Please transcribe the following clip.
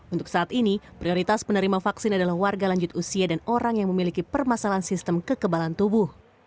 untuk saat ini prioritas penerima vaksin adalah warga lanjut usia dan orang yang memiliki permasalahan sistem kekebalan tubuh